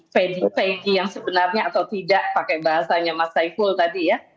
vege yang sebenarnya atau tidak pakai bahasanya mas saiful tadi ya